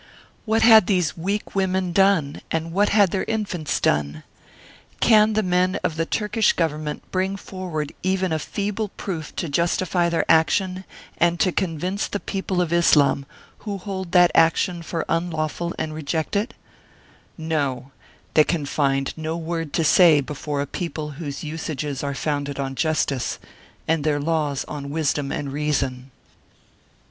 What had these weak women done, and what had their infants done? Can the men of the Turkish Government bring forward even a feeble proof to justify their action and to convince the people of Islam, who hold that action for unlawful and reject it? No; they can find no word to say before a people whose usages are founded on jus tice, and their laws on wisdom and reason.